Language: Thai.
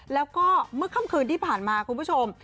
แล้วก็เมื่อค่ำคืนที่ผ่านมาคุณผู้ชม